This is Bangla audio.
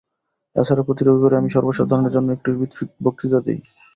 এ ছাড়া প্রতি রবিবারে আমি সর্বসাধারণের জন্য একটি বক্তৃতা দিই।